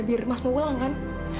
biar mas mau ulang kan